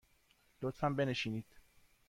لطفاً بنشینید.